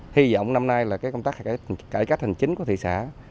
hy vọng năm nay là cái công tác cải cách hình chính của thị xã